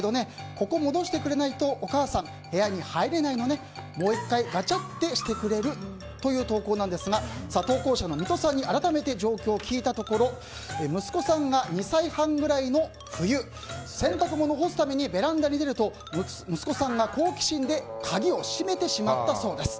ここ戻してくれないとお母さん部屋に入れないのねもう一度ガチャってしてくれる？という投稿なんですが投稿者の水戸さんに改めて状況を聞いたところ息子さんが２歳半ぐらいの冬洗濯物を干すためにベランダに出ると息子さんが好奇心で鍵を閉めてしまったそうです。